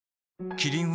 キリン「陸」